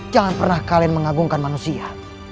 jangan pernah kalian mengagungkan manusia